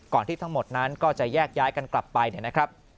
ก่อนที่ทั้งหมดนั้นก็จะแยกย้ายกันกลับไปนะครับ